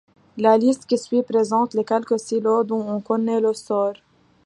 La liste qui suit présente les quelques silos dont on connaît le sort.